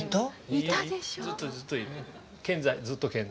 ずっとずっといる。